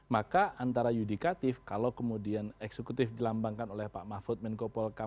maka antara yudikatif kalau kemudian eksekutif dilambangkan oleh pak mahfud menko polkam